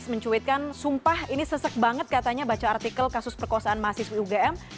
mencuitkan sumpah ini sesek banget katanya baca artikel kasus perkosaan mahasiswi ugm